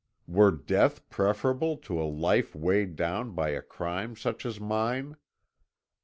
Were death preferable to a life weighed down by a crime such as mine?